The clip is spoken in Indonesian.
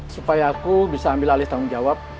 supaya aku bisa ambil alih tanggung jawab